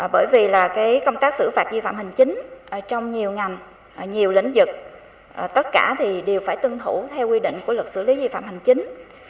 bởi vì là cái công tác xử phạt di phạm hình chính trong nhiều ngành nhiều lĩnh vực tất cả thì đều phải tương thủ theo quy định của luật xử lý di phạm hình chính